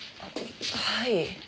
はい。